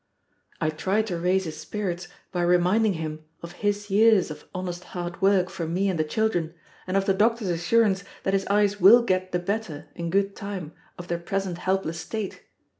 I try to raise his spirits by reminding him of his years of honest hard work for me and the children, and of the doctor's assurance that his eyes will get the better, in good time, of their present helpless state.